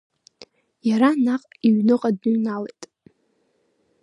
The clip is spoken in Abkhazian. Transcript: Иара наҟ иҩныҟа дныҩналеит.